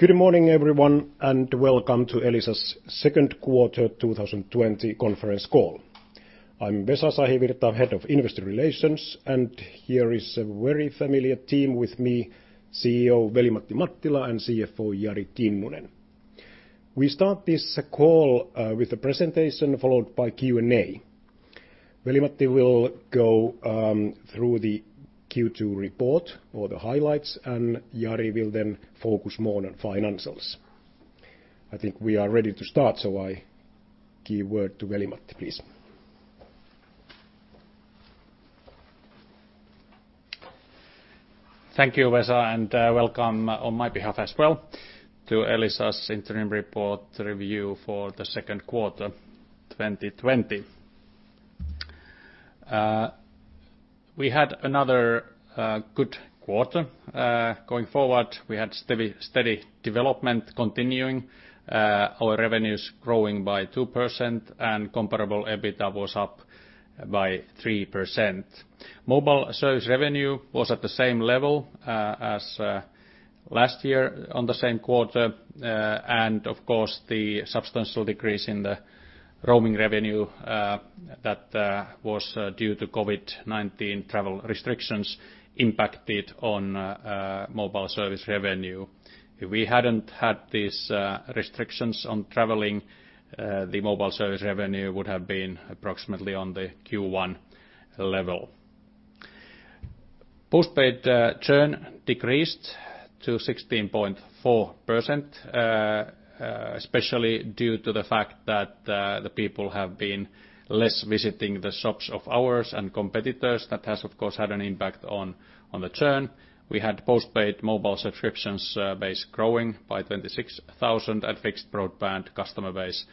Good morning, everyone, and welcome to Elisa's Second Quarter 2020 Conference Call. I'm Vesa Sahivirta, Head of Investor Relations, and here is a very familiar team with me, CEO Veli-Matti Mattila and CFO Jari Kinnunen. We start this call with a presentation followed by Q&A. Veli-Matti will go through the Q2 report or the highlights, and Jari will then focus more on financials. I think we are ready to start, so I give word to Veli-Matti, please. Thank you, Vesa, and welcome on my behalf as well to Elisa's Interim Report Review for The Second Quarter 2020. We had another good quarter. Going forward, we had steady development continuing, our revenues growing by 2%, and comparable EBITDA was up by 3%. Mobile service revenue was at the same level as last year on the same quarter. Of course, the substantial decrease in the roaming revenue that was due to COVID-19 travel restrictions impacted on mobile service revenue. If we hadn't had these restrictions on traveling, the mobile service revenue would have been approximately on the Q1 level. Postpaid churn decreased to 16.4%, especially due to the fact that the people have been less visiting the shops of ours and competitors. That has, of course, had an impact on the churn. We had postpaid mobile subscriptions base growing by 26,000, and fixed broadband customer base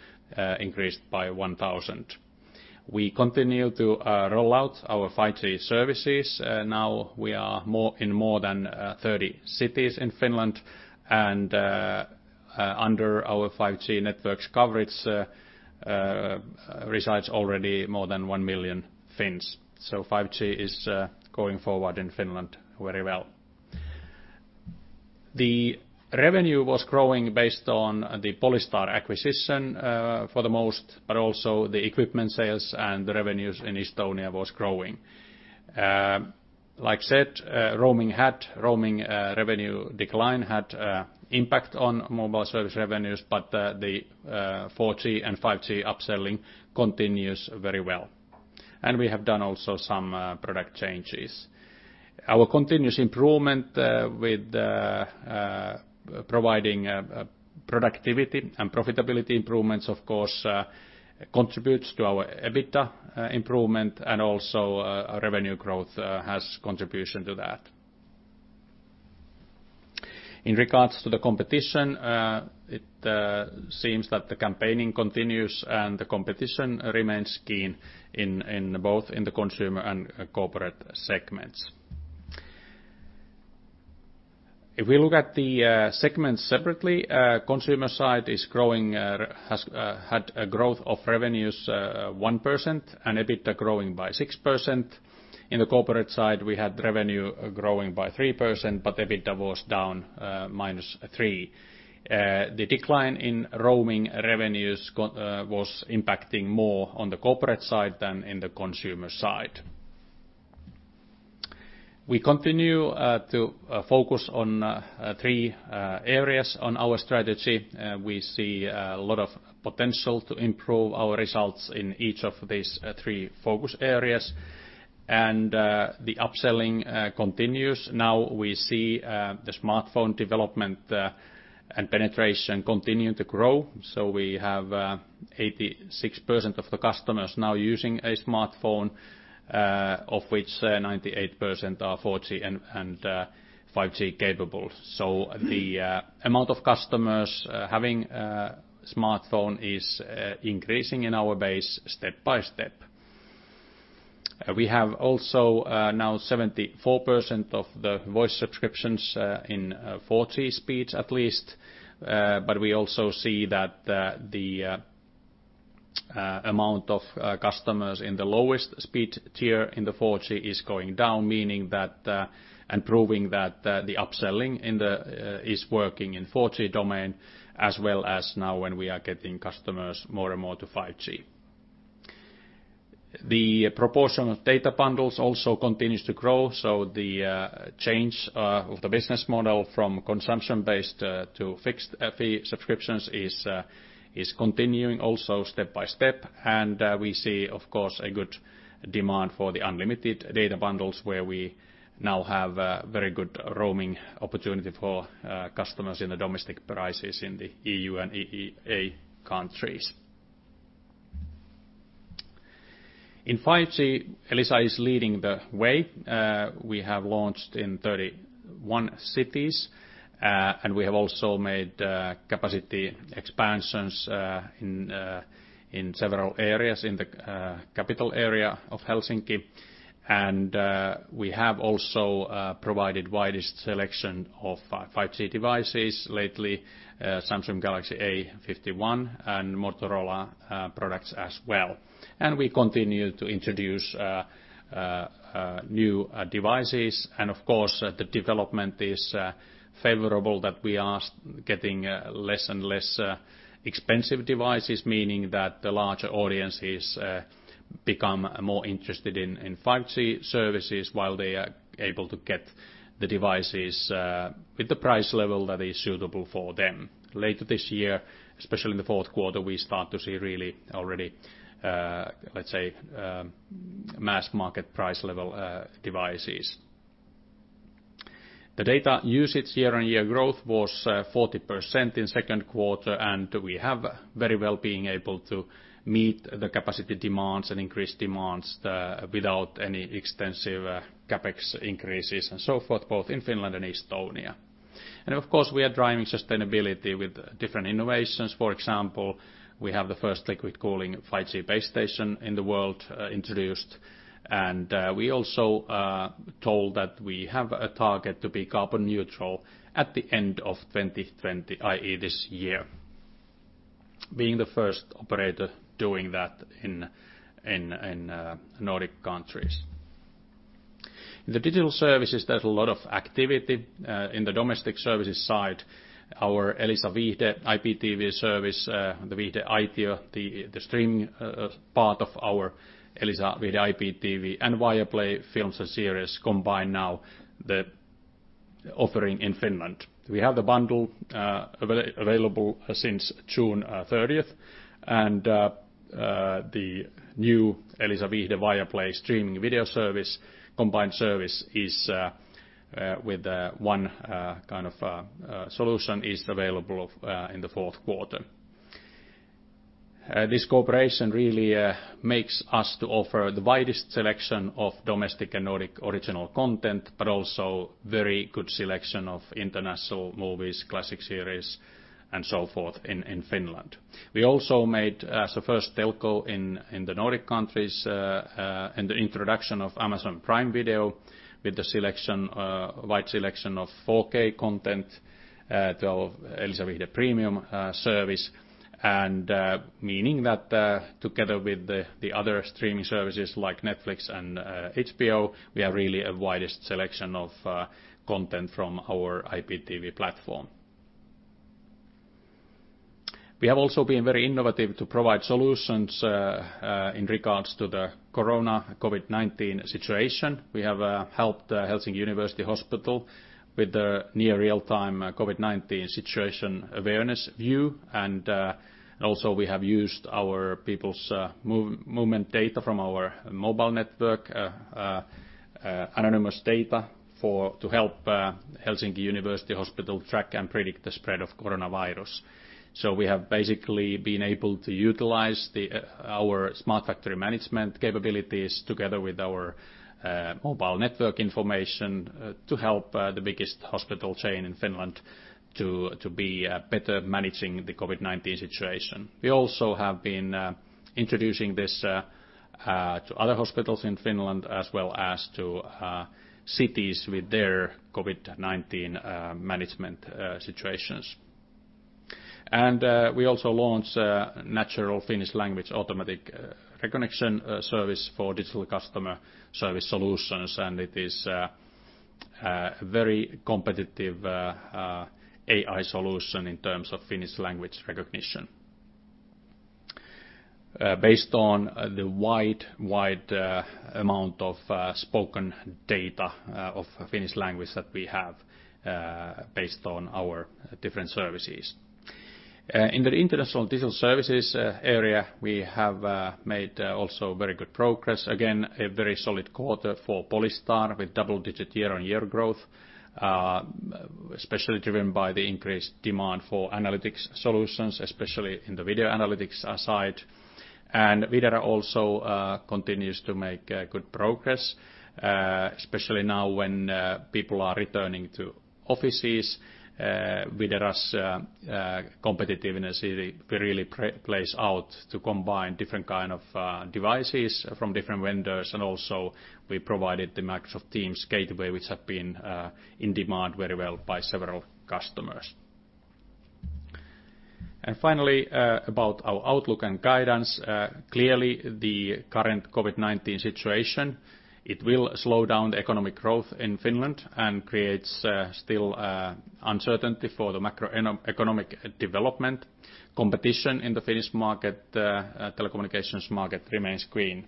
increased by 1,000. We continue to roll out our 5G services. We are in more than 30 cities in Finland, and under our 5G network coverage resides already more than one million Finns. 5G is going forward in Finland very well. The revenue was growing based on the Polystar acquisition for the most, but also the equipment sales and the revenues in Estonia was growing. Like I said, roaming revenue decline had impact on mobile service revenues, but the 4G and 5G upselling continues very well. We have done also some product changes. Our continuous improvement with providing productivity and profitability improvements, of course, contributes to our EBITDA improvement, and also our revenue growth has contribution to that. In regards to the competition, it seems that the campaigning continues and the competition remains keen in both in the consumer and corporate segments. If we look at the segments separately, consumer side had a growth of revenues 1% and EBITDA growing by 6%. In the corporate side, we had revenue growing by 3%, EBITDA was down -3%. The decline in roaming revenues was impacting more on the corporate side than in the consumer side. We continue to focus on three areas on our strategy. We see a lot of potential to improve our results in each of these three focus areas, the upselling continues. Now we see the smartphone development and penetration continue to grow. We have 86% of the customers now using a smartphone, of which 98% are 4G and 5G capable. The amount of customers having a smartphone is increasing in our base step by step. We have also now 74% of the voice subscriptions in 4G speeds at least. We also see that the amount of customers in the lowest speed tier in the 4G is going down, meaning that and proving that the upselling is working in 4G domain as well as now when we are getting customers more and more to 5G. The proportion of data bundles also continues to grow, the change of the business model from consumption-based to fixed-fee subscriptions is continuing also step by step. We see, of course, a good demand for the unlimited data bundles where we now have a very good roaming opportunity for customers in the domestic prices in the EU and EEA countries. In 5G, Elisa is leading the way. We have launched in 31 cities. We have also made capacity expansions in several areas in the capital area of Helsinki. We have also provided widest selection of 5G devices lately, Samsung Galaxy A51 and Motorola products as well. We continue to introduce new devices. Of course, the development is favorable that we are getting less and less expensive devices, meaning that the larger audience has become more interested in 5G services while they are able to get the devices with the price level that is suitable for them. Later this year, especially in the fourth quarter, we start to see really already, let's say, mass market price level devices. The data usage year-on-year growth was 40% in second quarter, and we have very well been able to meet the capacity demands and increase demands without any extensive CapEx increases and so forth, both in Finland and Estonia. Of course, we are driving sustainability with different innovations. For example, we have the first liquid cooling 5G base station in the world introduced, and we also told that we have a target to be carbon neutral at the end of 2020, i.e., this year. Being the first operator doing that in Nordic countries. In the digital services, there's a lot of activity in the domestic services side. Our Elisa Viihde IPTV service, the Viihde Aitio, the streaming part of our Elisa Viihde IPTV and Viaplay films and series combine now the offering in Finland. We have the bundle available since June 30th, and the new Elisa Viihde Viaplay streaming video service, combined service with one kind of solution is available in the fourth quarter. This cooperation really makes us to offer the widest selection of domestic and Nordic original content, but also very good selection of international movies, classic series, and so forth in Finland. We also made as the first telco in the Nordic countries in the introduction of Amazon Prime Video with the wide selection of 4K content to our Elisa Viihde Premium service, and meaning that together with the other streaming services like Netflix and HBO, we have really a widest selection of content from our IPTV platform. We have also been very innovative to provide solutions in regards to the COVID-19 situation. We have helped Helsinki University Hospital with the near real-time COVID-19 situation awareness view. We have used our people's movement data from our mobile network, anonymous data, to help Helsinki University Hospital track and predict the spread of coronavirus. We have basically been able to utilize our smart factory management capabilities together with our mobile network information to help the biggest hospital chain in Finland to be better managing the COVID-19 situation. We also have been introducing this to other hospitals in Finland as well as to cities with their COVID-19 management situations. We also launched a natural Finnish language automatic recognition service for digital customer service solutions, and it is a very competitive AI solution in terms of Finnish language recognition based on the wide amount of spoken data of Finnish language that we have based on our different services. In the international digital services area, we have made also very good progress. Again, a very solid quarter for Polystar with double-digit year-on-year growth, especially driven by the increased demand for analytics solutions, especially in the video analytics side. Videra also continues to make good progress, especially now when people are returning to offices. Videra's competitiveness really plays out to combine different kind of devices from different vendors. Also we provided the Microsoft Teams gateway, which have been in demand very well by several customers. Finally, about our outlook and guidance. Clearly, the current COVID-19 situation, it will slow down the economic growth in Finland and creates still uncertainty for the macroeconomic development. Competition in the Finnish telecommunications market remains keen.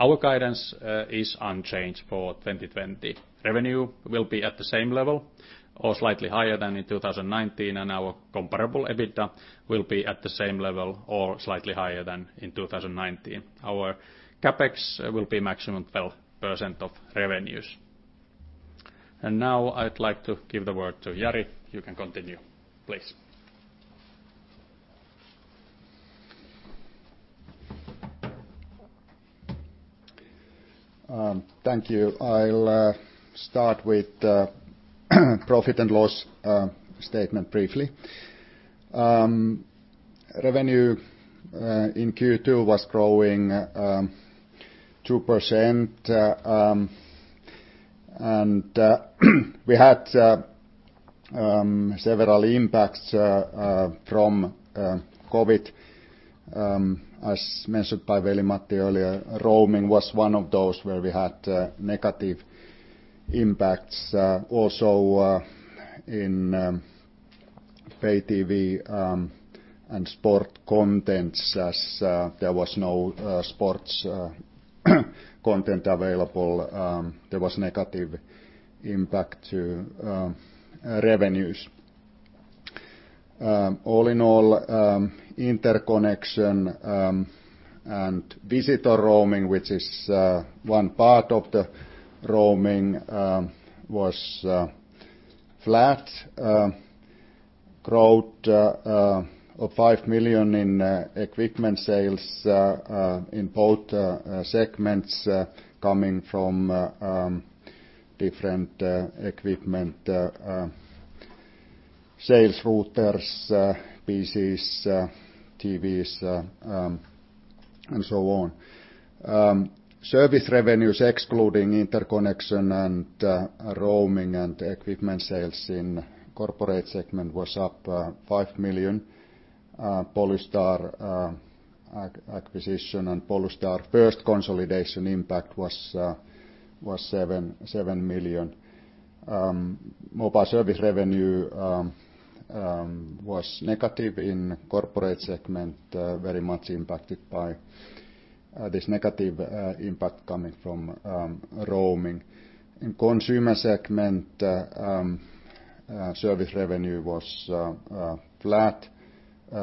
Our guidance is unchanged for 2020. Revenue will be at the same level or slightly higher than in 2019, and our comparable EBITDA will be at the same level or slightly higher than in 2019. Our CapEx will be maximum 12% of revenues. Now I'd like to give the word to Jari. You can continue, please. Thank you. I'll start with the profit and loss statement briefly. Revenue in Q2 was growing 2%. We had several impacts from COVID-19, as mentioned by Veli-Matti earlier. Roaming was one of those where we had negative impacts. In pay-TV and sport contents, as there was no sports content available, there was negative impact to revenues. All in all, interconnection and visitor roaming, which is one part of the roaming, was flat. Growth of 5 million in equipment sales in both segments, coming from different equipment sales, routers, PCs, TVs, and so on. Service revenues, excluding interconnection and roaming and equipment sales in corporate segment, was up 5 million. Polystar acquisition and Polystar first consolidation impact was 7 million. Mobile service revenue was negative in corporate segment, very much impacted by this negative impact coming from roaming. In consumer segment, service revenue was flat.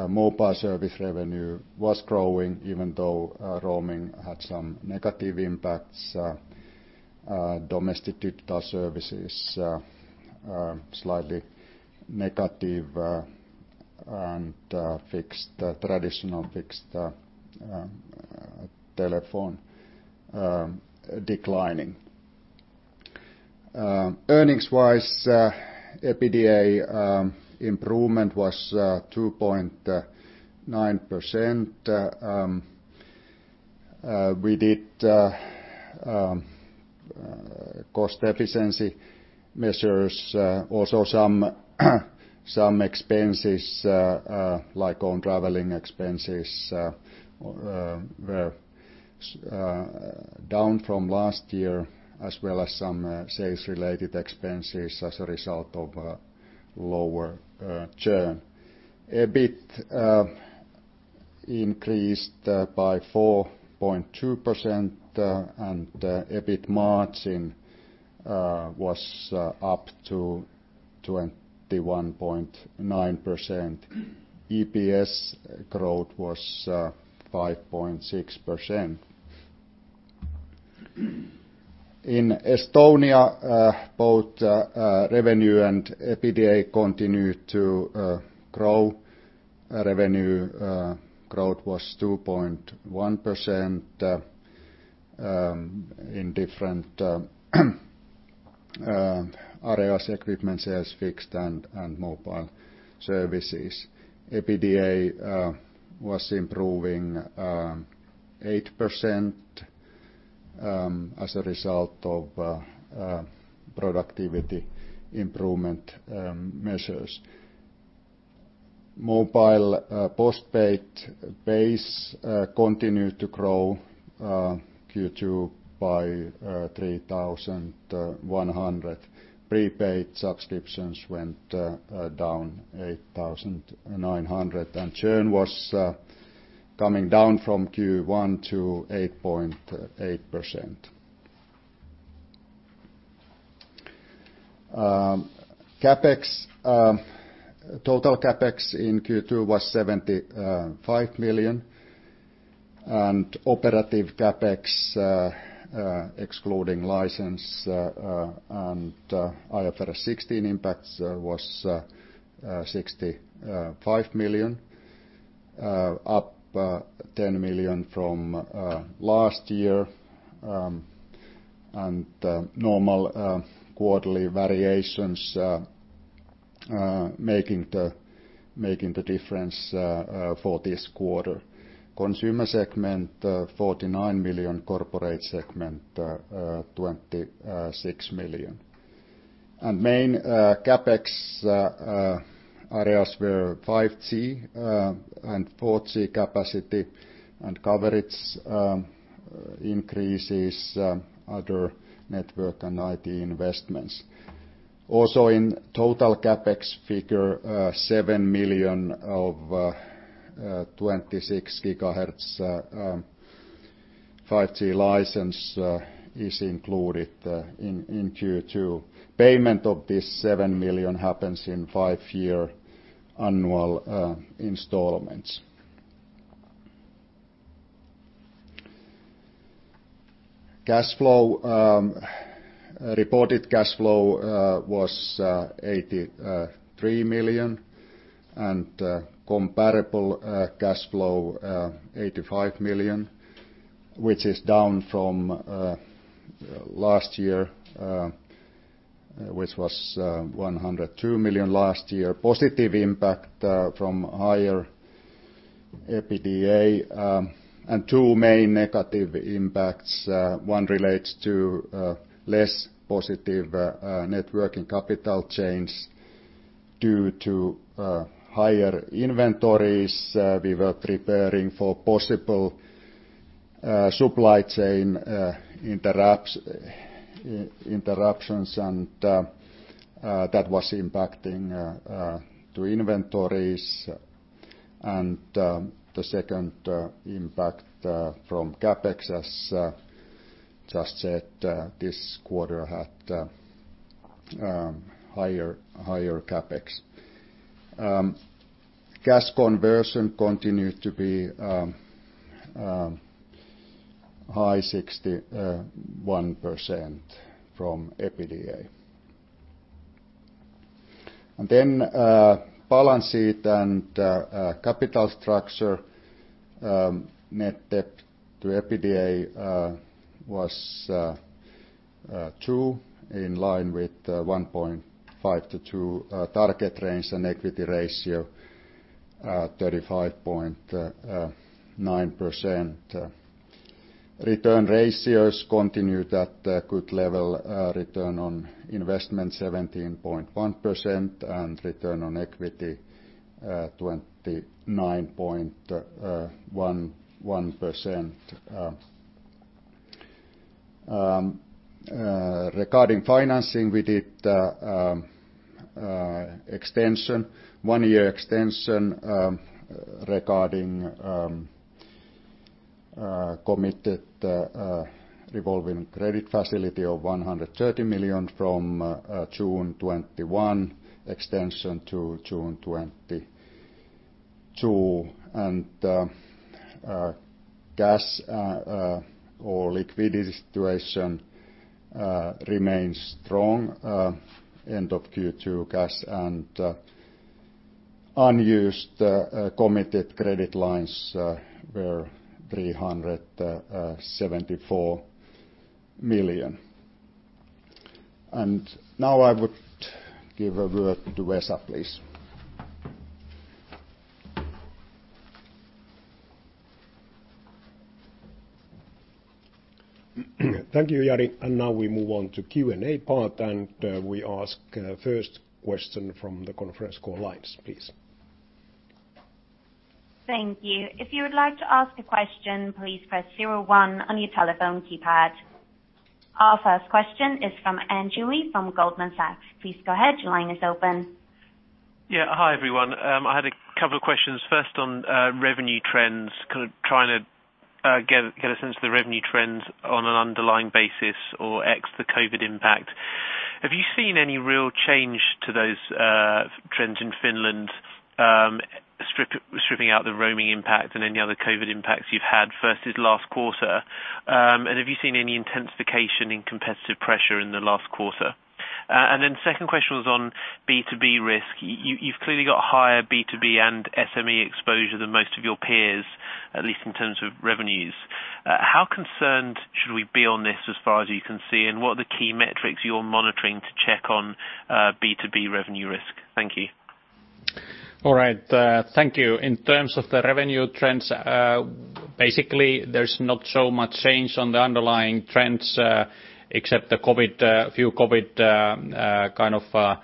Mobile service revenue was growing even though roaming had some negative impacts. Domestic digital services, slightly negative, and traditional fixed telephone declining. Earnings-wise, EBITDA improvement was 2.9%. We did cost efficiency measures. Also some expenses, like own traveling expenses, were down from last year, as well as some sales-related expenses as a result of lower churn. EBIT increased by 4.2%, and EBIT margin was up to 21.9%. EPS growth was 5.6%. In Estonia, both revenue and EBITDA continued to grow. Revenue growth was 2.1% in different areas, equipment sales, fixed and mobile services. EBITDA was improving 8% as a result of productivity improvement measures. Mobile postpaid base continued to grow Q2 by 3,100. Prepaid subscriptions went down 8,900, churn was coming down from Q1 to 8.8%. CapEx. Total CapEx in Q2 was 75 million, and operative CapEx, excluding license and IFRS 16 impacts, was 65 million, up 10 million from last year, and normal quarterly variations making the difference for this quarter. Consumer segment, 49 million. Corporate segment, 26 million. Main CapEx areas were 5G and 4G capacity and coverage increases, other network and IT investments. Also in total CapEx figure, 7 million of 26 GHz 5G license is included in Q2. Payment of this 7 million happens in five-year annual installments. Reported cash flow was 83 million, and comparable cash flow 85 million, which is down from last year, which was 102 million last year. Positive impact from higher EBITDA, two main negative impacts. One relates to less positive net working capital change due to higher inventories. We were preparing for possible supply chain interruptions, and that was impacting to inventories. The second impact from CapEx, as just said, this quarter had higher CapEx. Cash conversion continued to be high 61% from EBITDA. Balance sheet and capital structure. Net debt to EBITDA was 2x, in line with 1.5x-2x target range and equity ratio 35.9%. Return ratios continued at a good level. Return on investment 17.1% and return on equity 29.11%. Regarding financing, we did one-year extension regarding committed revolving credit facility of 130 million from June 2021, extension to June 2022. Cash or liquidity situation remains strong. End of Q2, cash and unused committed credit lines were 374 million. Now I would give a word to Vesa, please. Thank you, Jari. Now we move on to Q&A part, we ask first question from the conference call lines, please. Thank you. If you would like to ask a question, please press zero one on your telephone keypad. Our first question is from Andrew Lee from Goldman Sachs. Please go ahead. Your line is open. Yeah. Hi, everyone. I had a couple of questions, first on revenue trends. Kind of trying to get a sense of the revenue trends on an underlying basis or ex the COVID-19 impact. Have you seen any real change to those trends in Finland stripping out the roaming impact and any other COVID-19 impacts you've had versus last quarter? Have you seen any intensification in competitive pressure in the last quarter? Second question was on B2B risk. You've clearly got higher B2B and SME exposure than most of your peers, at least in terms of revenues. How concerned should we be on this as far as you can see? What are the key metrics you're monitoring to check on B2B revenue risk? Thank you. All right. Thank you. In terms of the revenue trends, basically there's not so much change on the underlying trends except a few COVID kind of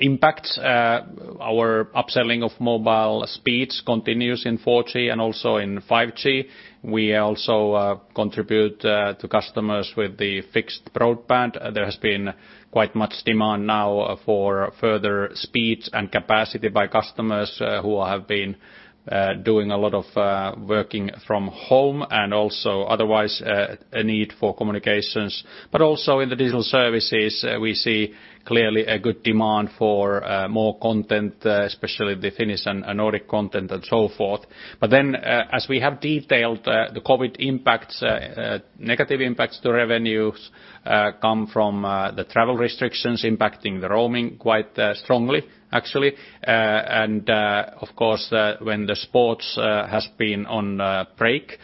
impacts. Our upselling of mobile speeds continues in 4G and also in 5G. We also contribute to customers with the fixed broadband. There has been quite much demand now for further speeds and capacity by customers who have been doing a lot of working from home and also otherwise, a need for communications. Also in the digital services, we see clearly a good demand for more content, especially the Finnish and Nordic content and so forth. As we have detailed the COVID negative impacts to revenues come from the travel restrictions impacting the roaming quite strongly, actually. Of course, when the sports has been on break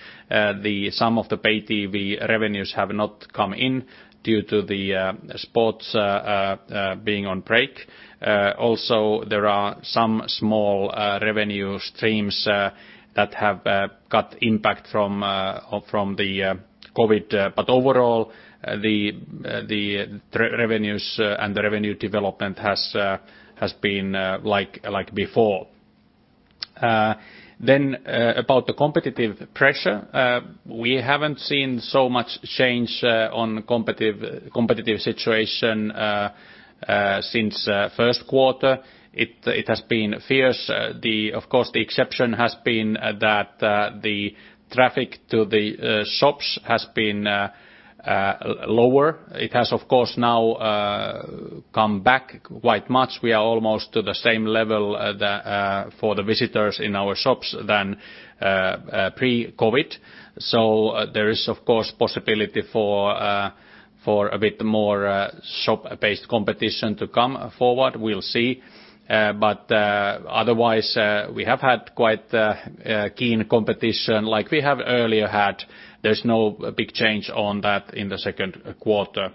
some of the pay-TV revenues have not come in due to the sports being on break. Also there are some small revenue streams that have got impact from the COVID. Overall, the revenues and the revenue development has been like before. About the competitive pressure, we haven't seen so much change on competitive situation since first quarter. It has been fierce. Of course, the exception has been that the traffic to the shops has been lower. It has of course now come back quite much. We are almost to the same level for the visitors in our shops than pre-COVID. There is, of course, possibility for a bit more shop-based competition to come forward. We'll see. Otherwise, we have had quite keen competition like we have earlier had. There's no big change on that in the second quarter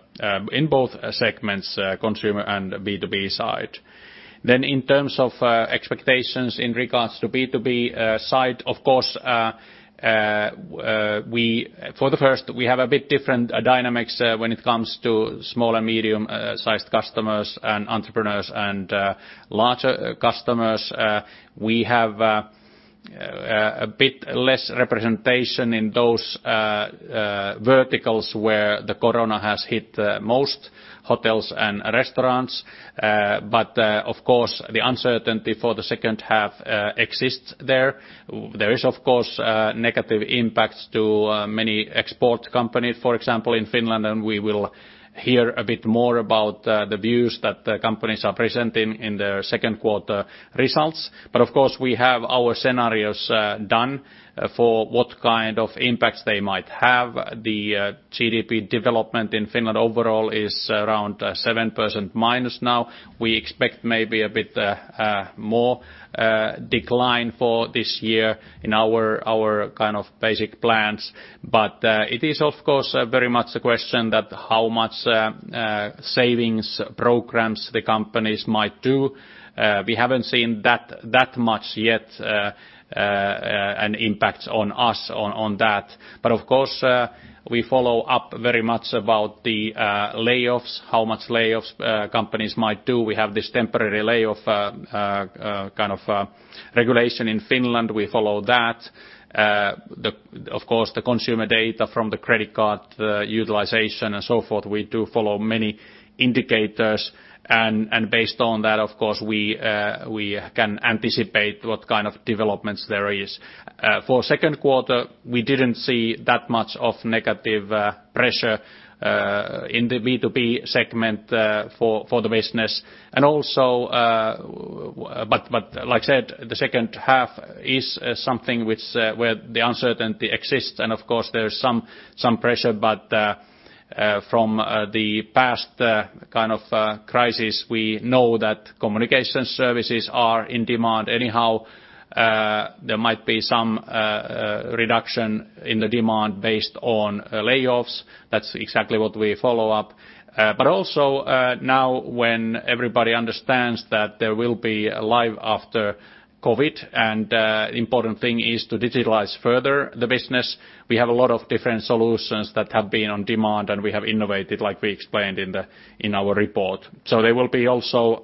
in both segments, consumer and B2B side. In terms of expectations in regards to B2B side, of course, for the first, we have a bit different dynamics when it comes to small and medium-sized customers and entrepreneurs and larger customers. We have a bit less representation in those verticals where the corona has hit most hotels and restaurants. Of course, the uncertainty for the second half exists there. There is negative impacts to many export companies, for example, in Finland, and we will hear a bit more about the views that the companies are presenting in their second quarter results. Of course, we have our scenarios done for what kind of impacts they might have. The GDP development in Finland overall is around 7%- now. We expect maybe a bit more decline for this year in our basic plans. It is, of course, very much a question that how much savings programs the companies might do. We haven't seen that much yet an impact on us on that. Of course, we follow up very much about the layoffs, how much layoffs companies might do. We have this temporary layoff kind of regulation in Finland. We follow that. Of course, the consumer data from the credit card utilization and so forth, we do follow many indicators, and based on that, of course, we can anticipate what kind of developments there is. For second quarter, we didn't see that much of negative pressure in the B2B segment for the business. Like I said, the second half is something where the uncertainty exists, and of course there is some pressure. From the past kind of crisis, we know that communication services are in demand anyhow. There might be some reduction in the demand based on layoffs. That's exactly what we follow up. Also now when everybody understands that there will be life after COVID, and important thing is to digitalize further the business. We have a lot of different solutions that have been on demand, and we have innovated, like we explained in our report. There will be also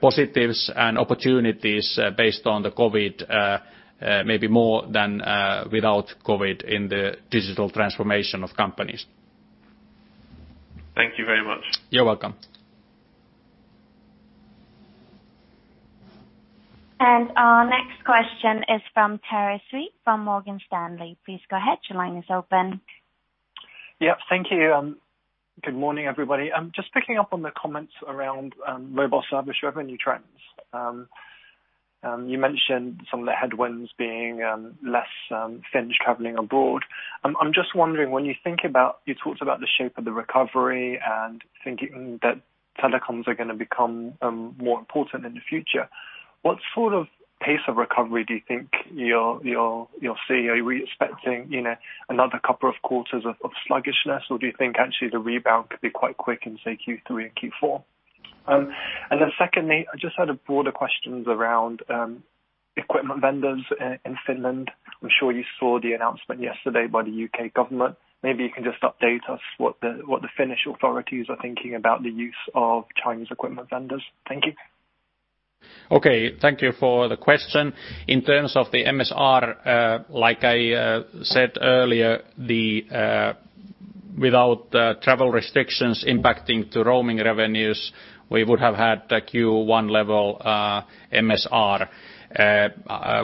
positives and opportunities based on the COVID, maybe more than without COVID in the digital transformation of companies. Thank you very much. You're welcome. Our next question is from Terence Tsui from Morgan Stanley. Please go ahead. Your line is open. Yep. Thank you. Good morning, everybody. Just picking up on the comments around mobile service revenue trends. You mentioned some of the headwinds being less Finnish traveling abroad. I'm just wondering, You talked about the shape of the recovery and thinking that telecoms are going to become more important in the future. What sort of pace of recovery do you think you'll see? Are we expecting another couple of quarters of sluggishness, or do you think actually the rebound could be quite quick in, say, Q3 and Q4? Secondly, I just had a broader question around equipment vendors in Finland. I'm sure you saw the announcement yesterday by the U.K. government. Maybe you can just update us what the Finnish authorities are thinking about the use of Chinese equipment vendors. Thank you. Okay. Thank you for the question. In terms of the MSR, like I said earlier, without travel restrictions impacting to roaming revenues, we would have had a Q1 level MSR.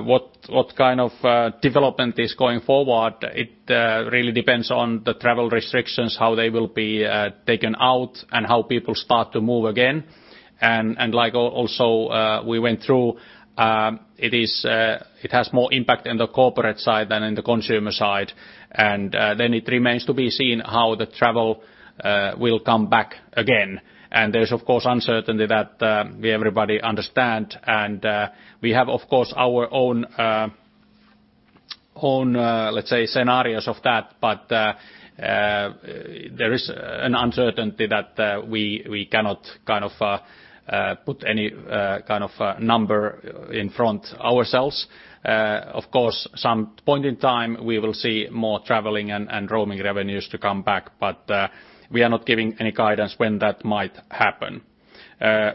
What kind of development is going forward? It really depends on the travel restrictions, how they will be taken out, and how people start to move again. Like also we went through, it has more impact in the corporate side than in the consumer side. Then it remains to be seen how the travel will come back again. There's of course uncertainty that everybody understand. We have, of course, our own, let's say, scenarios of that. There is an uncertainty that we cannot put any kind of number in front ourselves. Of course, some point in time, we will see more traveling and roaming revenues to come back, but we are not giving any guidance when that might happen.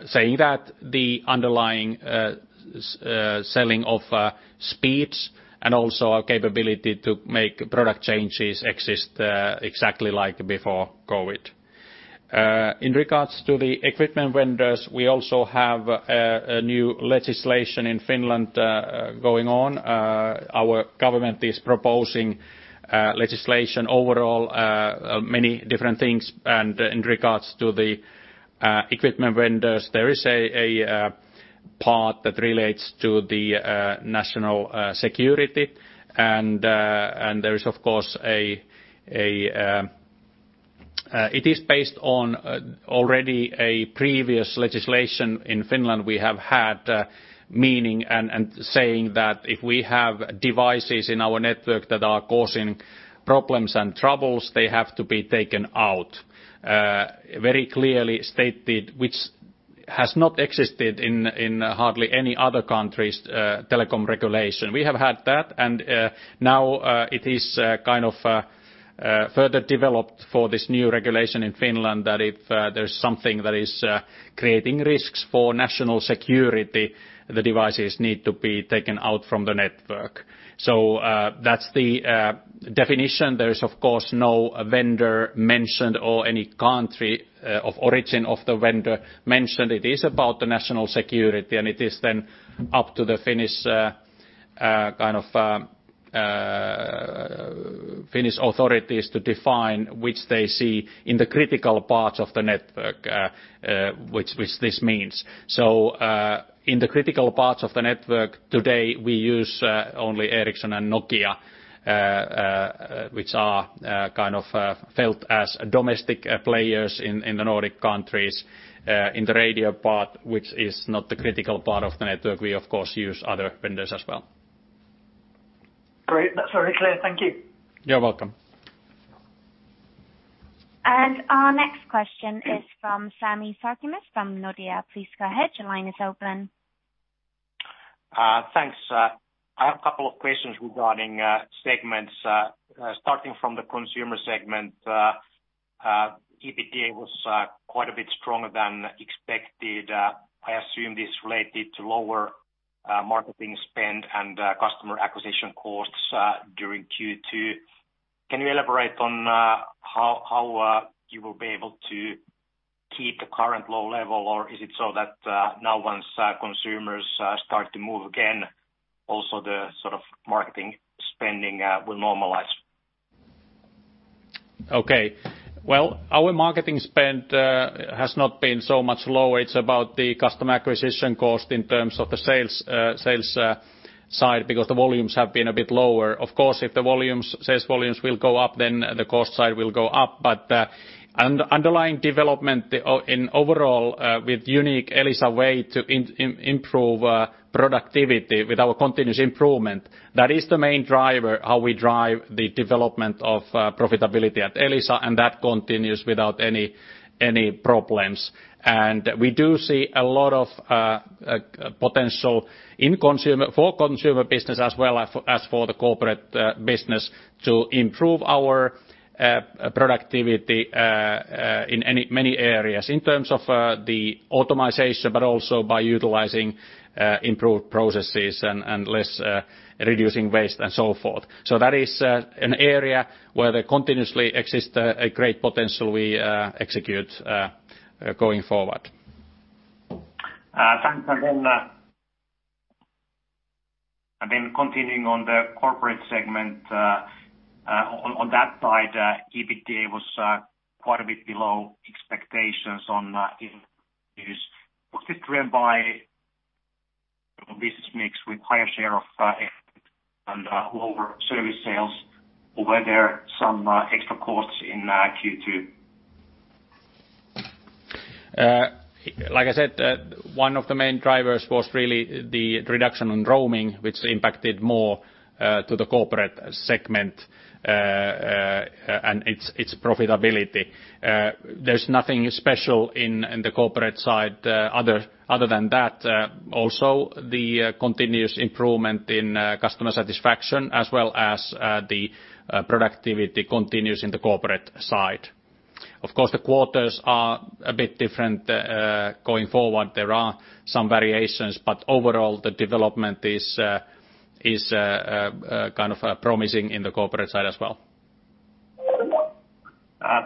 Saying that, the underlying selling of speeds and also our capability to make product changes exist exactly like before COVID. In regards to the equipment vendors, we also have a new legislation in Finland going on. Our government is proposing legislation overall many different things. In regards to the equipment vendors, there is a part that relates to the national security. There is, of course, it is based on already a previous legislation in Finland we have had, meaning and saying that if we have devices in our network that are causing problems and troubles, they have to be taken out. Very clearly stated, which has not existed in hardly any other country's telecom regulation. We have had that, and now it is further developed for this new regulation in Finland that if there's something that is creating risks for national security, the devices need to be taken out from the network. That's the definition. There is, of course, no vendor mentioned or any country of origin of the vendor mentioned. It is about the national security, and it is then up to the Finnish authorities to define which they see in the critical part of the network which this means. In the critical parts of the network today, we use only Ericsson and Nokia, which are felt as domestic players in the Nordic countries in the radio part, which is not the critical part of the network. We of course use other vendors as well. Great. That's very clear. Thank you. You're welcome. Our next question is from Sami Sarkamies from Nordea. Please go ahead. Your line is open. Thanks. I have a couple of questions regarding segments. Starting from the consumer segment. EBITDA was quite a bit stronger than expected. I assume this related to lower marketing spend and customer acquisition costs during Q2. Can you elaborate on how you will be able to keep the current low level? Is it so that now once consumers start to move again, also the sort of marketing spending will normalize? Okay. Well, our marketing spend has not been so much low. It's about the customer acquisition cost in terms of the sales side, because the volumes have been a bit lower. Of course, if the sales volumes will go up, then the cost side will go up. Underlying development in overall with unique Elisa way to improve productivity with our continuous improvement, that is the main driver, how we drive the development of profitability at Elisa, and that continues without any problems. We do see a lot of potential for consumer business as well as for the corporate business to improve our productivity in many areas in terms of the automation, but also by utilizing improved processes and less reducing waste and so forth. That is an area where there continuously exists a great potential we execute going forward. Thanks. Continuing on the corporate segment. On that side, EBITDA was quite a bit below [expectations on news]. Was it driven by business mix with higher share [of... And ]lower service sales? Were there some extra costs in Q2? Like I said, one of the main drivers was really the reduction in roaming, which impacted more to the corporate segment and its profitability. There's nothing special in the corporate side other than that. The continuous improvement in customer satisfaction as well as the productivity continues in the corporate side. Of course, the quarters are a bit different going forward. There are some variations, overall, the development is promising in the corporate side as well.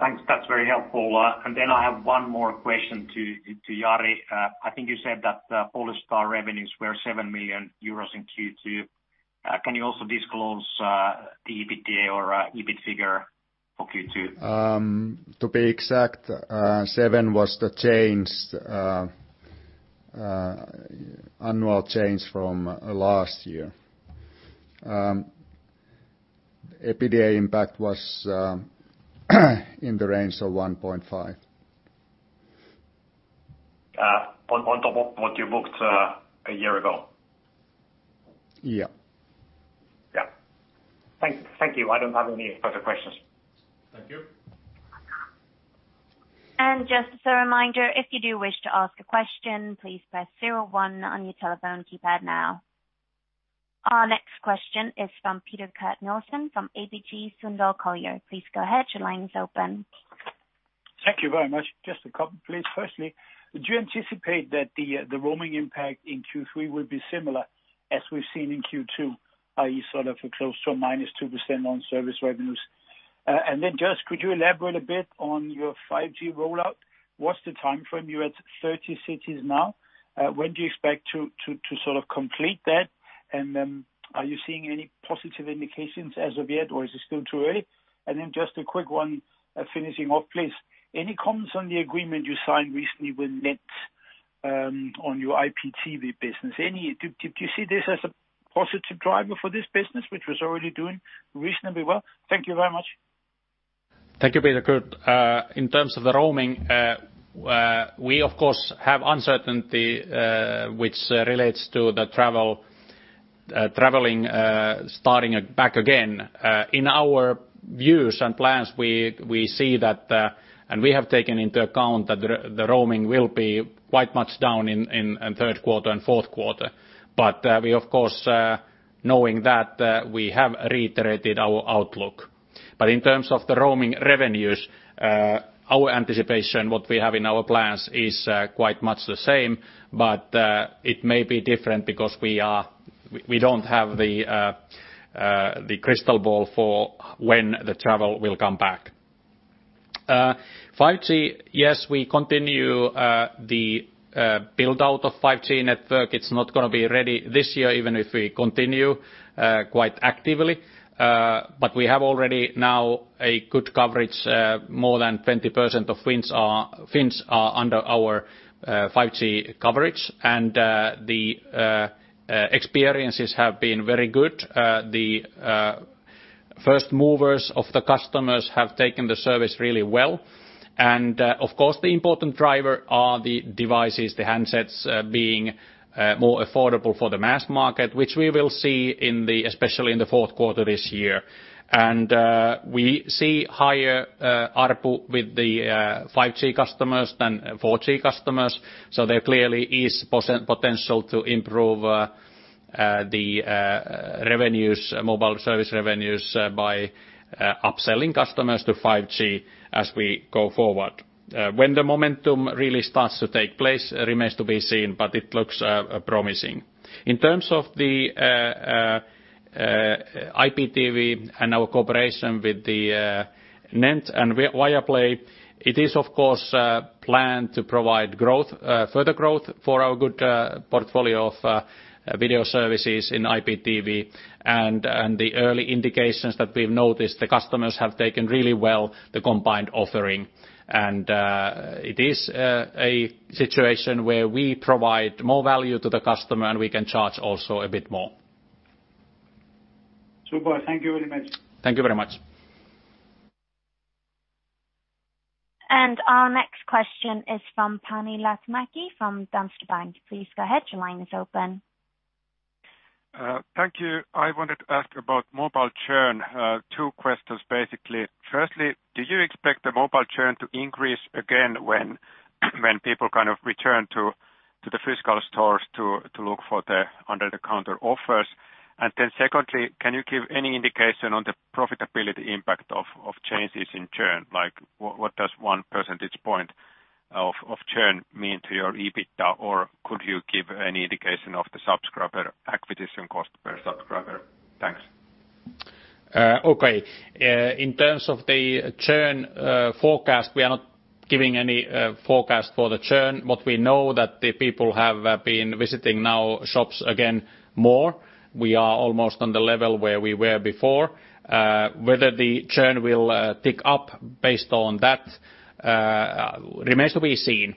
Thanks. That's very helpful. I have one more question to Jari. I think you said that Polystar revenues were 7 million euros in Q2. Can you also disclose the EBITDA or EBIT figure for Q2? To be exact, 7 million was the annual change from last year. EBITDA impact was in the range of 1.5x. On top of what you booked a year ago? Yeah. Yeah. Thank you. I don't have any further questions. Thank you. Just as a reminder, if you do wish to ask a question, please press zero one on your telephone keypad now. Our next question is from Peter Kurt Nielsen from ABG Sundal Collier. Please go ahead. Your line is open. Thank you very much. Just a couple, please. Firstly, do you anticipate that the roaming impact in Q3 will be similar as we've seen in Q2, i.e., sort of close to a -2% on service revenues? Just could you elaborate a bit on your 5G rollout? What's the timeframe? You're at 30 cities now. When do you expect to complete that? Are you seeing any positive indications as of yet, or is it still too early? Just a quick one finishing off, please. Any comments on the agreement you signed recently with NENT on your IPTV business? Do you see this as a positive driver for this business, which was already doing reasonably well? Thank you very much. Thank you, Peter Kurt. In terms of the roaming, we of course have uncertainty which relates to the traveling starting back again. In our views and plans, we see that, and we have taken into account that the roaming will be quite much down in third quarter and fourth quarter. We, of course, knowing that, we have reiterated our outlook. In terms of the roaming revenues, our anticipation, what we have in our plans is quite much the same, but it may be different because we don't have the crystal ball for when the travel will come back. 5G, yes, we continue the build-out of 5G network. It's not going to be ready this year, even if we continue quite actively. We have already now a good coverage. More than 20% of Finns are under our 5G coverage, and the experiences have been very good. The first movers of the customers have taken the service really well. Of course, the important driver are the devices, the handsets being more affordable for the mass market, which we will see especially in the fourth quarter this year. We see higher ARPU with the 5G customers than 4G customers. There clearly is potential to improve the mobile service revenues by upselling customers to 5G as we go forward. When the momentum really starts to take place remains to be seen, but it looks promising. In terms of the IPTV and our cooperation with the NENT and Viaplay, it is of course, planned to provide further growth for our good portfolio of video services in IPTV. The early indications that we've noticed, the customers have taken really well the combined offering. It is a situation where we provide more value to the customer, and we can charge also a bit more. Super. Thank you very much. Thank you very much. Our next question is from Panu Laitinmäki from Danske Bank. Please go ahead. Your line is open. Thank you. I wanted to ask about mobile churn. Two questions, basically. Firstly, do you expect the mobile churn to increase again when people kind of return to the physical stores to look for the under the counter offers? Secondly, can you give any indication on the profitability impact of changes in churn? Like what does one percentage point of churn mean to your EBITDA? Could you give any indication of the subscriber acquisition cost per subscriber? Thanks. Okay. In terms of the churn forecast, we are not giving any forecast for the churn. What we know that the people have been visiting now shops again more. We are almost on the level where we were before. Whether the churn will tick up based on that remains to be seen.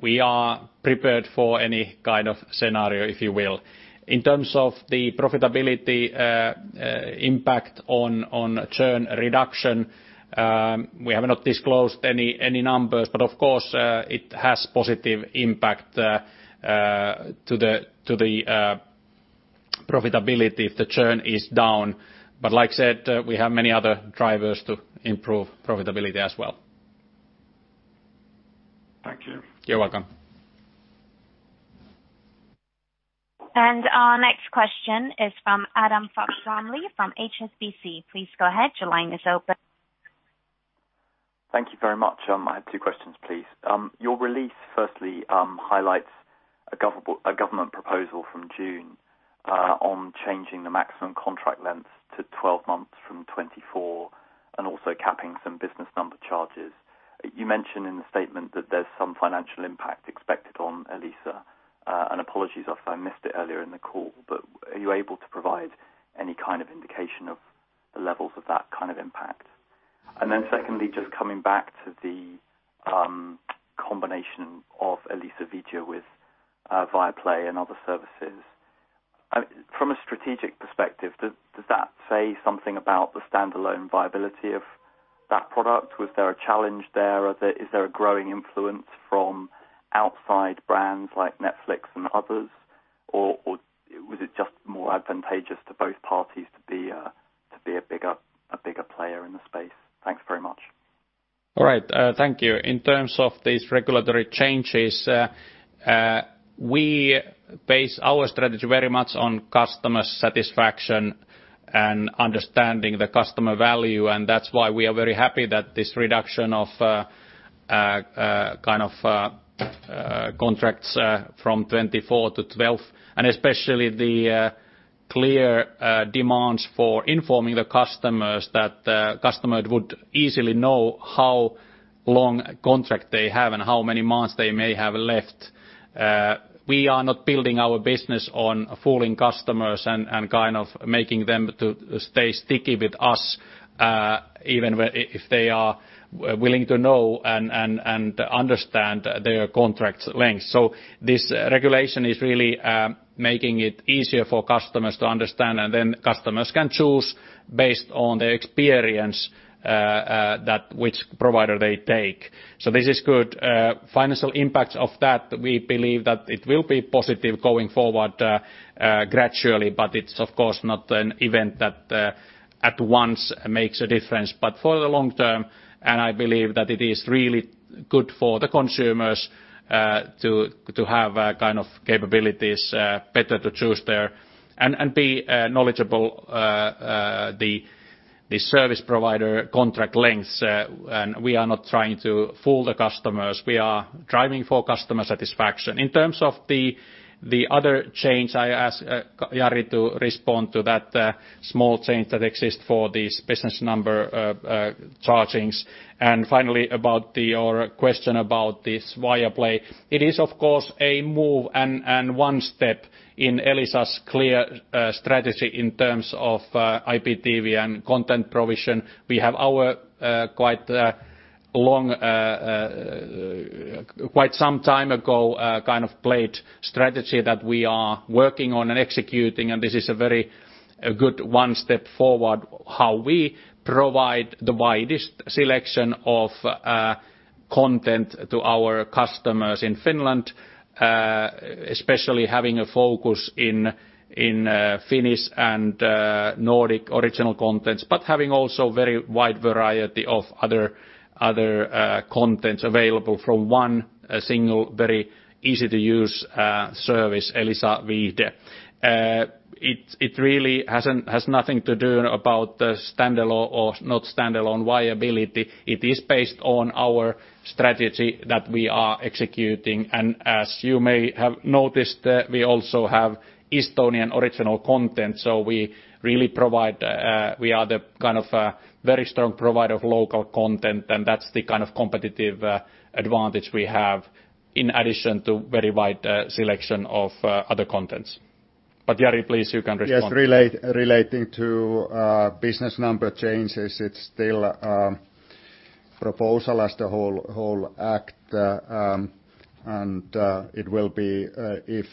We are prepared for any kind of scenario, if you will. In terms of the profitability impact on churn reduction, we have not disclosed any numbers, but of course, it has positive impact to the profitability if the churn is down. Like I said, we have many other drivers to improve profitability as well. Thank you. You're welcome. Our next question is from Adam Fox-Rumley from HSBC. Please go ahead. Your line is open. Thank you very much. I have two questions, please. Your release, firstly, highlights a government proposal from June on changing the maximum contract lengths to 12 months from 24, also capping some business number charges. You mentioned in the statement that there's some financial impact expected on Elisa. Apologies if I missed it earlier in the call, but are you able to provide any kind of indication of the levels of that kind of impact? Secondly, just coming back to the combination of Elisa Viihde with Viaplay and other services. From a strategic perspective, does that say something about the standalone viability of that product? Was there a challenge there? Is there a growing influence from outside brands like Netflix and others, or was it just more advantageous to both parties to be a bigger player in the space? Thanks very much. All right. Thank you. In terms of these regulatory changes, we base our strategy very much on customer satisfaction and understanding the customer value. That's why we are very happy that this reduction of contracts from 24 to 12. Especially the clear demands for informing the customers that the customer would easily know how long contract they have and how many months they may have left. We are not building our business on fooling customers and making them to stay sticky with us, even if they are willing to know and understand their contract length. This regulation is really making it easier for customers to understand. Then customers can choose based on their experience which provider they take. This is good. Financial impact of that, we believe that it will be positive going forward gradually, but it's of course not an event that at once makes a difference. For the long term, I believe that it is really good for the consumers to have capabilities better to choose there and be knowledgeable the service provider contract lengths. We are not trying to fool the customers. We are driving for customer satisfaction. In terms of the other change, I ask Jari to respond to that small change that exists for these business number chargings. Finally, about your question about this Viaplay. It is, of course, a move and one step in Elisa's clear strategy in terms of IPTV and content provision. We have our quite some time ago played strategy that we are working on and executing, and this is a very good one step forward, how we provide the widest selection of content to our customers in Finland, especially having a focus in Finnish and Nordic original contents, but having also very wide variety of other contents available from one single, very easy-to-use service, Elisa Viihde. It really has nothing to do about the standalone or not standalone viability. It is based on our strategy that we are executing. As you may have noticed, we also have Estonian original content. We are the very strong provider of local content, and that's the kind of competitive advantage we have in addition to very wide selection of other contents. Jari please, you can respond. Yes, relating to business number changes. It's still a proposal as the whole act. It will be, if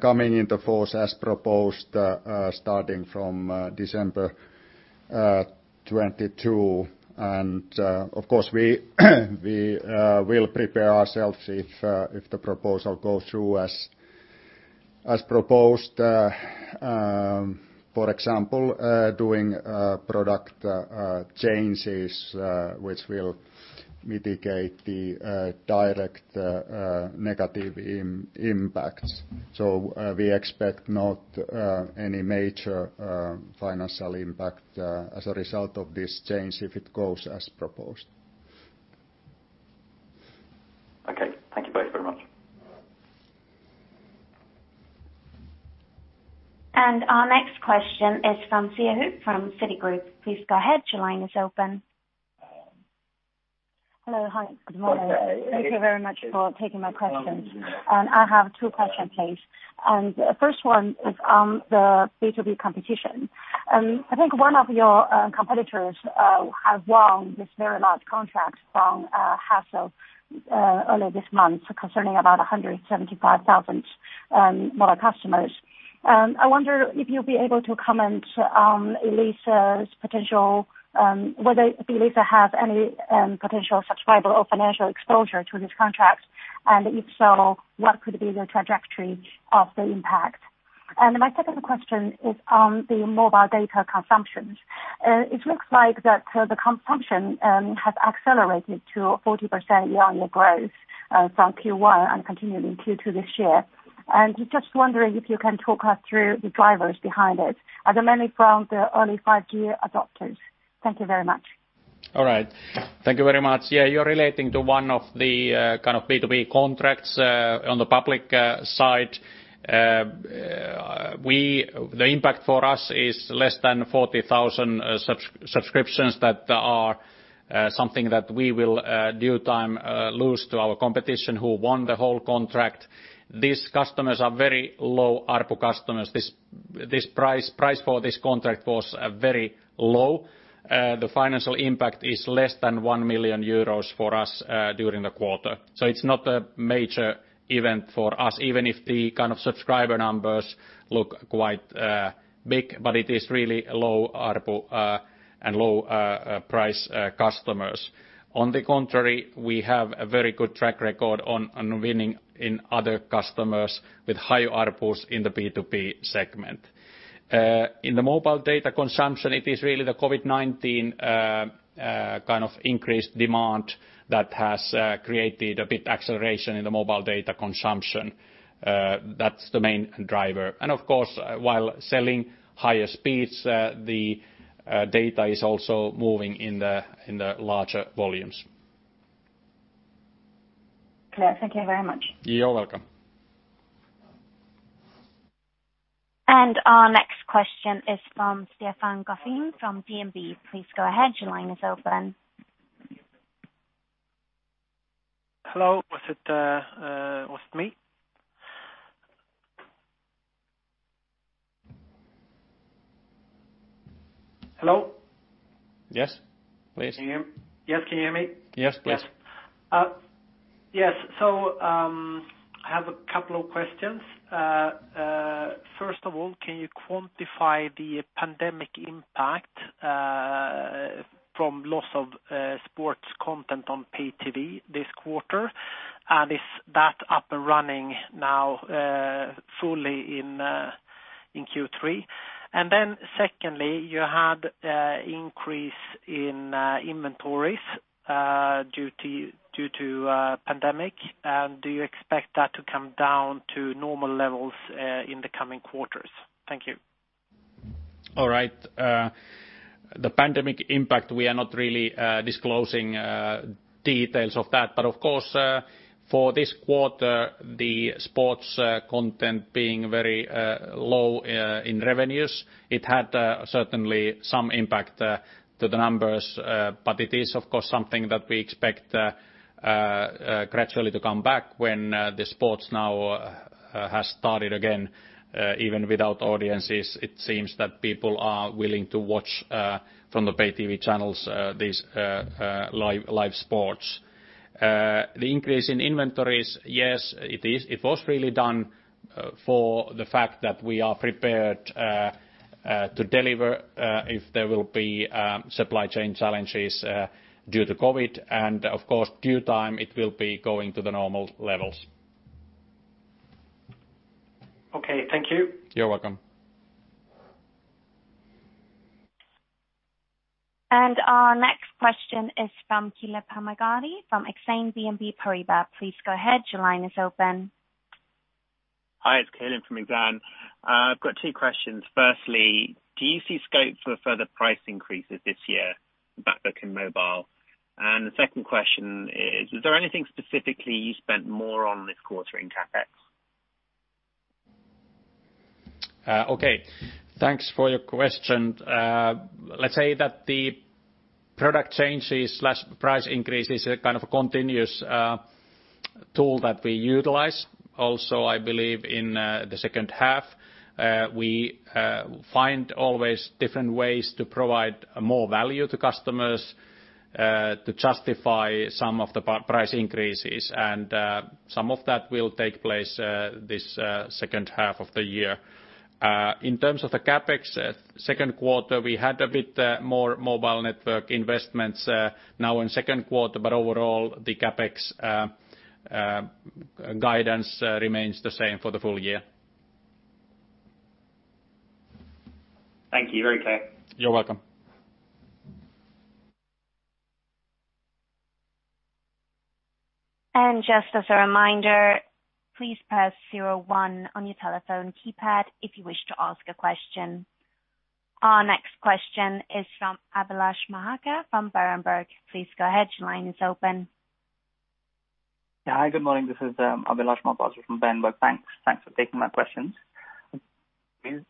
coming into force as proposed, starting from December 22. Of course, we will prepare ourselves if the proposal goes through as proposed. For example, doing product changes, which will mitigate the direct negative impacts. We expect not any major financial impact as a result of this change, if it goes as proposed. Okay. Thank you both very much. Our next question is from Siyi He from Citigroup. Please go ahead. Your line is open. Hello. Hi. Good morning. Thank you very much for taking my questions. I have two questions, please. First one is on the B2B competition. I think one of your competitors has won this very large contract from Hansel earlier this month, concerning about 175,000 mobile customers. I wonder if you'll be able to comment on whether Elisa have any potential subscriber or financial exposure to this contract, and if so, what could be the trajectory of the impact? My second question is on the mobile data consumptions. It looks like that the consumption has accelerated to 40% year-on-year growth from Q1 and continuing Q2 this year. Just wondering if you can talk us through the drivers behind it. Are there many from the early 5G adopters? Thank you very much. All right. Thank you very much. You're relating to one of the B2B contracts on the public side. The impact for us is less than 40,000 subscriptions that are something that we will, due time, lose to our competition, who won the whole contract. These customers are very low ARPU customers. Price for this contract was very low. The financial impact is less than 1 million euros for us during the quarter. It's not a major event for us, even if the kind of subscriber numbers look quite big. It is really low ARPU and low price customers. On the contrary, we have a very good track record on winning in other customers with high ARPUs in the B2B segment. In the mobile data consumption, it is really the COVID-19 increased demand that has created a bit acceleration in the mobile data consumption. That's the main driver. Of course, while selling higher speeds, the data is also moving in the larger volumes. Clear. Thank you very much. You're welcome. Our next question is from Stefan Gauffin from DNB. Please go ahead. Your line is open. Hello. Was it me? Hello? Yes, please. Can you hear me? Yes, please. Yes. I have a couple of questions. First of all, can you quantify the pandemic impact from loss of sports content on pay-TV this quarter? Is that up and running now fully in Q3? Secondly, you had increase in inventories due to pandemic, and do you expect that to come down to normal levels in the coming quarters? Thank you. All right. The pandemic impact, we are not really disclosing details of that. Of course, for this quarter, the sports content being very low in revenues, it had certainly some impact to the numbers. It is, of course, something that we expect gradually to come back when the sports now has started again, even without audiences. It seems that people are willing to watch from the pay-TV channels these live sports. The increase in inventories, yes, it was really done for the fact that we are prepared to deliver if there will be supply chain challenges due to COVID, of course, due time, it will be going to the normal levels. Okay. Thank you. You're welcome. Our next question is from [Caleb Harmaghari] from Exane BNP Paribas. Please go ahead. Your line is open. Hi, it's Caleb from Exane. I've got two questions. Firstly, do you see scope for further price increases this year for back book and mobile? The second question is: Is there anything specifically you spent more on this quarter in CapEx? Okay. Thanks for your question. Let's say that the product changes/price increase is a kind of a continuous tool that we utilize. Also, I believe in the second half, we find always different ways to provide more value to customers to justify some of the price increases. Some of that will take place this second half of the year. In terms of the CapEx, second quarter, we had a bit more mobile network investments now in the second quarter, but overall, the CapEx guidance remains the same for the full year. Thank you. Very clear. You're welcome. Just as a reminder, please press zero one on your telephone keypad if you wish to ask a question. Our next question is from Abhilash Mohapatra from Berenberg. Please go ahead. Your line is open. Yeah. Hi, good morning. This is Abhilash Mohapatra from Berenberg. Thanks for taking my questions. Please,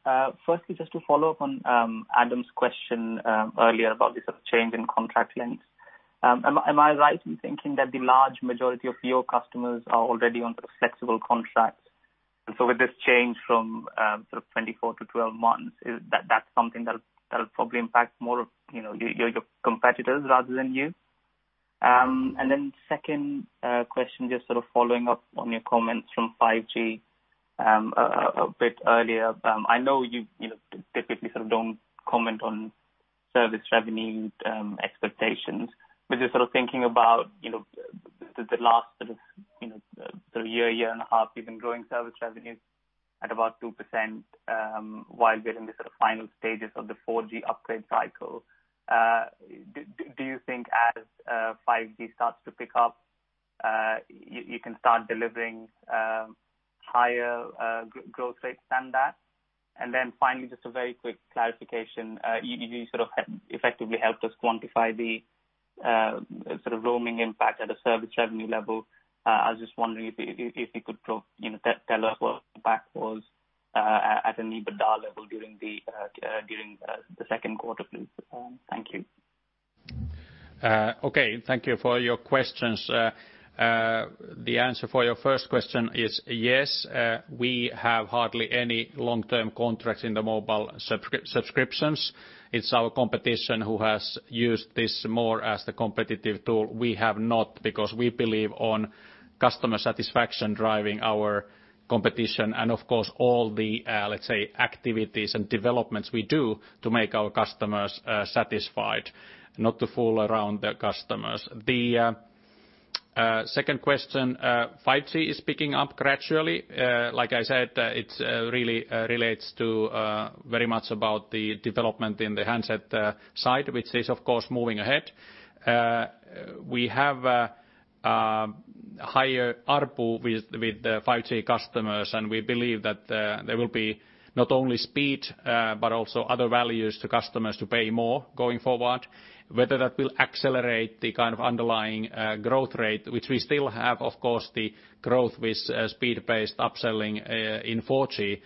firstly, just to follow up on Adam's question earlier about the sort of change in contract lengths. Am I right in thinking that the large majority of your customers are already on flexible contracts? With this change from sort of 24-12 months, that's something that'll probably impact more of your competitors rather than you? Second question, just sort of following up on your comments from 5G a bit earlier. I know you typically sort of don't comment on service revenue expectations, but just sort of thinking about the last sort of year and a half, you've been growing service revenues at about 2% while we're in the sort of final stages of the 4G upgrade cycle. Do you think as 5G starts to pick up you can start delivering higher growth rates than that? Then finally, just a very quick clarification. You sort of effectively helped us quantify the sort of roaming impact at a service revenue level. I was just wondering if you could tell us what the impact was at an EBITDA level during the second quarter, please. Thank you. Okay, thank you for your questions. The answer for your first question is yes, we have hardly any long-term contracts in the mobile subscriptions. It's our competition who has used this more as the competitive tool. We have not, because we believe on customer satisfaction driving our competition, and of course, all the, let's say, activities and developments we do to make our customers satisfied, not to fool around the customers. The second question. 5G is picking up gradually. Like I said, it really relates to very much about the development in the handset side, which is, of course, moving ahead. We have higher ARPU with the 5G customers, and we believe that there will be not only speed but also other values to customers to pay more going forward. Whether that will accelerate the kind of underlying growth rate, which we still have, of course, the growth with speed-based upselling in 4G.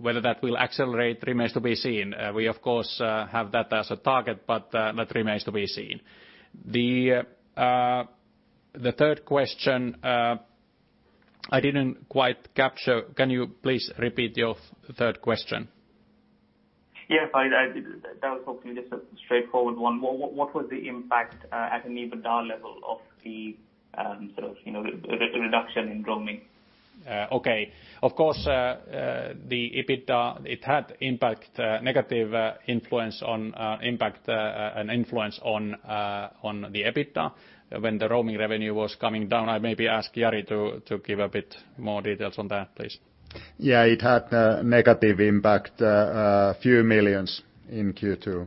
Whether that will accelerate remains to be seen. We, of course, have that as a target, but that remains to be seen. The third question I didn't quite capture. Can you please repeat your third question? Yes. That was hopefully just a straightforward one. What was the impact at an EBITDA level of the sort of reduction in roaming? Okay. Of course, the EBITDA, it had negative impact and influence on the EBITDA when the roaming revenue was coming down. I maybe ask Jari to give a bit more details on that, please. Yeah. It had a negative impact, a few millions in Q2.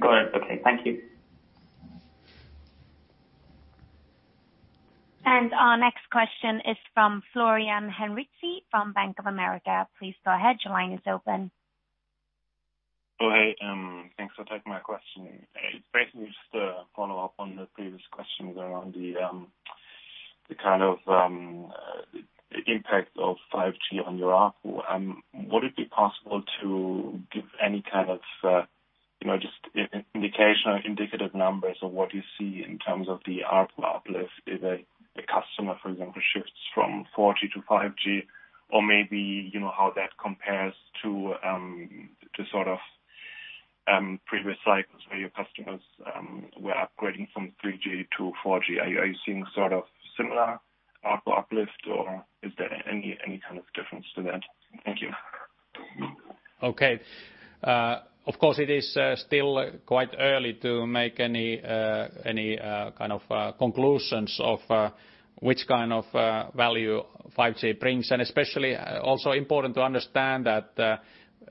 Got it. Okay. Thank you. Our next question is from Florian Henritzi from Bank of America. Please go ahead. Your line is open. Oh, hey. Thanks for taking my question. Basically, just to follow up on the previous questions around the kind of impact of 5G on your ARPU. Would it be possible to give any kind of just indicative numbers of what you see in terms of the ARPU uplift if a customer, for example, shifts from 4G to 5G or maybe how that compares to sort of previous cycles where your customers were upgrading from 3G to 4G? Are you seeing sort of similar ARPU uplift or is there any kind of difference to that? Thank you. Okay. Of course, it is still quite early to make any kind of conclusions of which kind of value 5G brings. Especially also important to understand that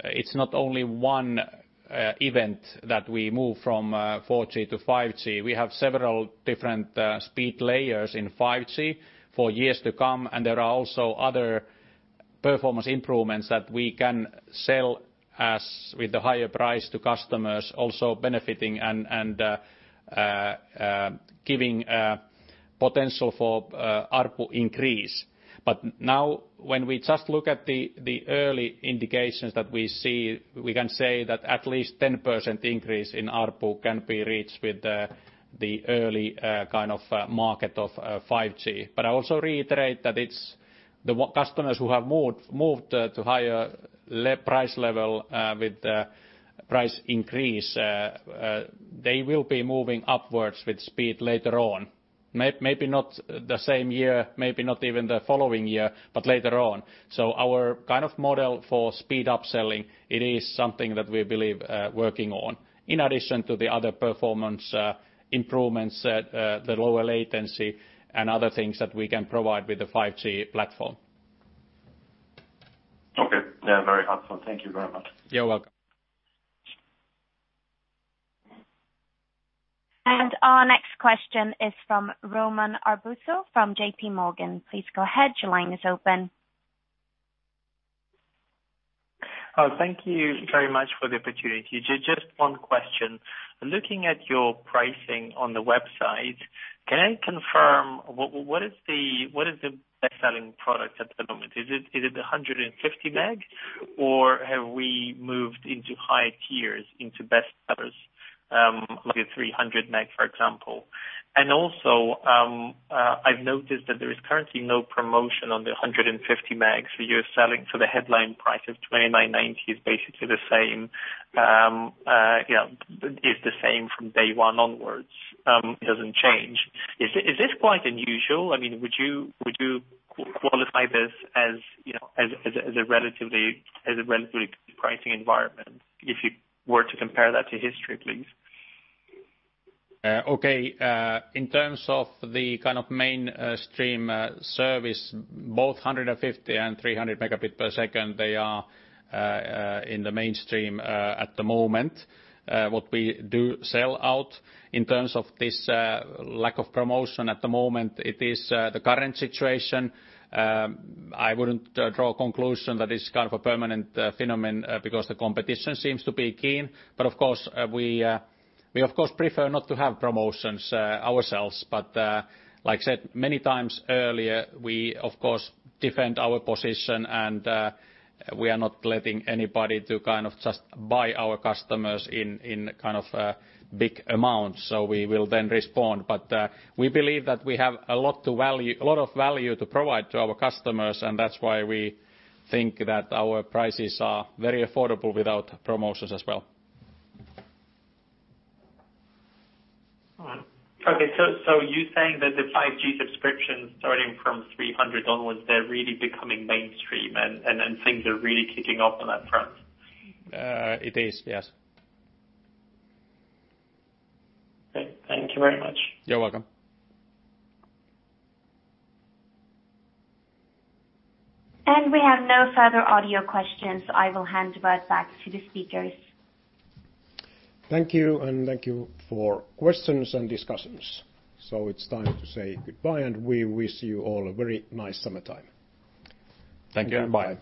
it's not only one event that we move from 4G to 5G. We have several different speed layers in 5G for years to come. There are also other performance improvements that we can sell with the higher price to customers also benefiting and giving potential for ARPU increase. Now when we just look at the early indications that we see, we can say that at least 10% increase in ARPU can be reached with the early kind of market of 5G. I also reiterate that it's the customers who have moved to higher price level with price increase, they will be moving upwards with speed later on. Maybe not the same year, maybe not even the following year, but later on. Our kind of model for speed upselling, it is something that we believe working on, in addition to the other performance improvements the lower latency and other things that we can provide with the 5G platform. Okay. Yeah, very helpful. Thank you very much. You're welcome. Our next question is from Roman Arbuzov from JPMorgan. Please go ahead. Your line is open. Oh, thank you very much for the opportunity. Just one question. Looking at your pricing on the website, can I confirm what is the best-selling product at the moment? Is it the 150 Mbps or have we moved into higher tiers, into best sellers like a 300 Mbps, for example? Also, I've noticed that there is currently no promotion on the 150 Mbps you're selling. The headline price of 29.90 is basically the same from day one onwards. It doesn't change. Is this quite unusual? Would you qualify this as a relatively good pricing environment if you were to compare that to history, please? Okay. In terms of the kind of mainstream service, both 150 Mbps and 300 Mbps they are in the mainstream at the moment. What we do sell out in terms of this lack of promotion at the moment, it is the current situation. I wouldn't draw a conclusion that it's kind of a permanent phenomenon because the competition seems to be keen. We of course prefer not to have promotions ourselves. Like I said many times earlier, we of course defend our position and we are not letting anybody to kind of just buy our customers in kind of big amounts. We will then respond. We believe that we have a lot of value to provide to our customers, and that's why we think that our prices are very affordable without promotions as well. Okay. You're saying that the 5G subscriptions starting from 300 Mbps onwards, they're really becoming mainstream and things are really kicking off on that front? It is, yes. Okay. Thank you very much. You're welcome. We have no further audio questions. I will hand it right back to the speakers. Thank you for questions and discussions. It's time to say goodbye, and we wish you all a very nice summertime. Thank you. Bye.